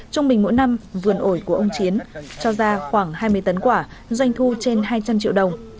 trung bình mỗi năm vườn ồi của ông chiến cho ra khoảng hai mươi tấn quả doanh thu trên hai trăm linh triệu đồng